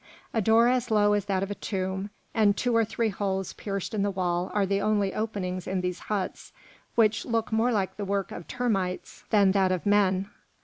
A door as low as that of a tomb, and two or three holes pierced in the wall are the only openings in these huts, which look more like the work of termites than that of men.